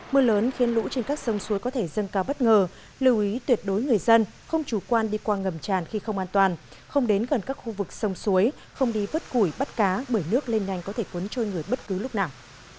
mưa lớn khiến lũ trên các sông suối có thể dâng cao bất ngờ lưu ý tuyệt đối người dân không chủ quan đi qua ngầm tràn khi không an toàn không đến gần các khu vực sông suối không đi vứt củi bắt cá bởi nước lên nhanh có thể cuốn trôi người bất cứ lúc nào